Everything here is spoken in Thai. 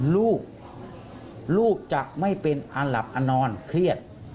ลูกลูกจะไม่เป็นอันหลับอนอนเครียด